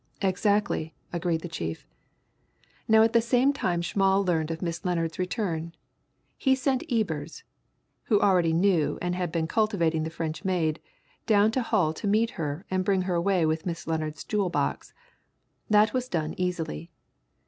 "Exactly," agreed the chief. "Now at the same time Schmall learned of Miss Lennard's return. He sent Ebers, who already knew and had been cultivating the French maid, down to Hull to meet her and bring her away with Miss Lennard's jewel box. That was done easily.